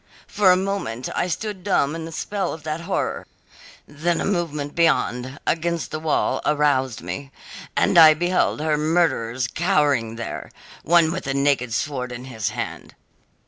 For a moment I stood dumb in the spell of that horror, then a movement beyond, against the wall, aroused me, and I beheld her murderers cowering there, one with a naked sword in his hand.